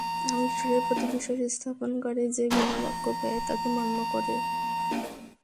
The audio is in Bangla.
আমি ঈশ্বরের প্রতি বিশ্বাস স্থাপনকারী যে বিনা বাক্য ব্যায়ে তাকে মান্য করে!